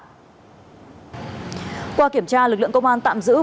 phòng cảnh sát hình sự công an tỉnh đắk lắk vừa ra quyết định khởi tố bị can bắt tạm giam ba đối tượng